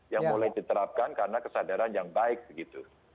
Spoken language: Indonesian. yang mulai diterapkan karena kesadaran yang baik begitu